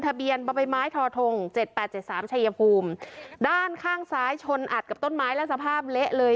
ทะเบียนบ่อใบไม้ทอทงเจ็ดแปดเจ็ดสามชัยภูมิด้านข้างซ้ายชนอัดกับต้นไม้และสภาพเละเลย